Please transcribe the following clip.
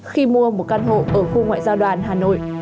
khi mua một căn hộ ở khu ngoại giao đoàn hà nội